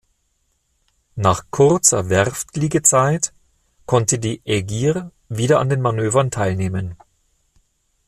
Nach kurzer Werftliegezeit konnte die "Ägir" wieder an den Manövern teilnehmen.